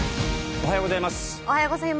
おはようございます。